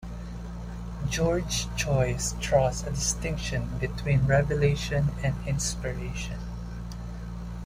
George Joyce draws a distinction between revelation and inspiration.